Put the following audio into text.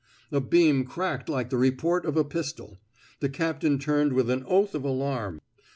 A beam cracked like the report of a pistol. The captain turned with an oath of alarm.